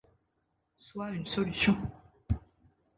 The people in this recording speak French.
Soit une solution.